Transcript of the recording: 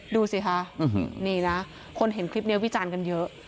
ดูสิคะนี่นะคนเห็นคลิปนี้วิจารณ์กันเยอะ